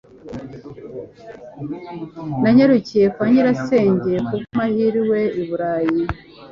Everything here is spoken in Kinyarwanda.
Nanyarukiye kwa nyirasenge ku bw'amahirwe i Burayi